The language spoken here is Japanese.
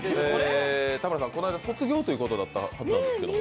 田村さん、この間卒業というはずだったんですけど。